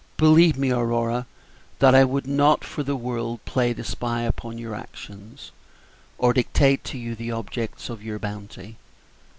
"Believe me, Aurora, that I would not for the world play the spy upon your actions, or dictate to you the objects of your bounty.